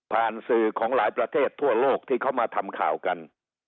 สื่อของหลายประเทศทั่วโลกที่เขามาทำข่าวกัน